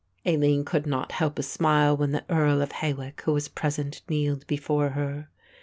Aline could not help a smile when the Earl of Hawick, who was present, kneeled before her.